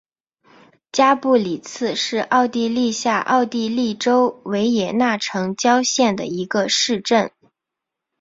加布里茨是奥地利下奥地利州维也纳城郊县的一个市镇。